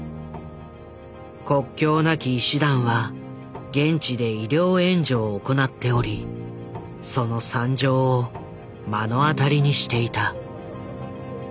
国境なき医師団は現地で医療援助を行っておりその惨状を目の当たりにしていた。